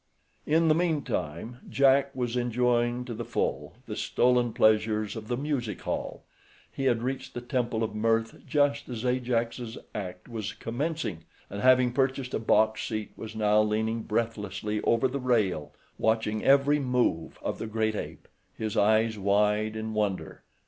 In the meantime Jack was enjoying to the full the stolen pleasures of the music hall. He had reached the temple of mirth just as Ajax's act was commencing, and having purchased a box seat was now leaning breathlessly over the rail watching every move of the great ape, his eyes wide in wonder.